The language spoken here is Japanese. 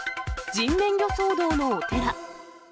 人面魚騒動のお寺。